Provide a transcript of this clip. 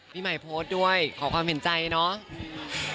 พี่ใหม่โพสต์ด้วยขอความเห็นใจเนาะ